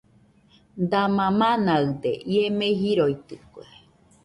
!Dama manaɨde¡ ie mei jiroitɨke